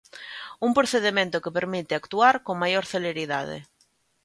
Un procedemento que permite actuar con maior celeridade.